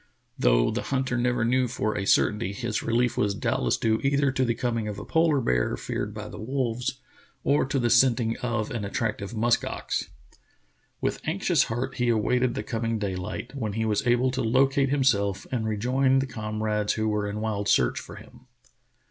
Though the hunter never knew for a certainty, his relief was doubtless due either to the coming of a polar bear, The Journey of Bedford Pirn 79 feared by the wolves, or to the scenting of an attractive musk ox. With anxious heart he awaited the coming dayHght, when he was able to locate himself and rejoin the comrades who were in wild search for him.